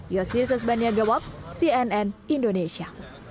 yosyisus baniagawab cnn indonesia